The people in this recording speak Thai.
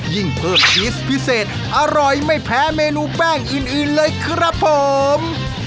ยิ่งเพิ่มชีสพิเศษอร่อยไม่แพ้เมนูแป้งอื่นเลยครับผม